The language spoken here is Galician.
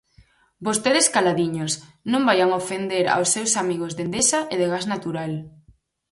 Vostedes caladiños, non vaian ofender aos seus amigos de Endesa e de Gas Natural.